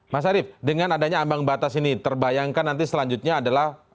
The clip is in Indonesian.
mas arief dengan adanya ambang batas ini terbayangkan nanti selanjutnya adalah